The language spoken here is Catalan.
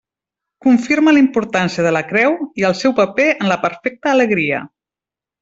Confirma la importància de la creu i el seu paper en la perfecta alegria.